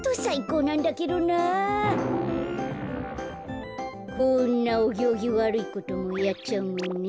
こんなおぎょうぎわるいこともやっちゃうもんね。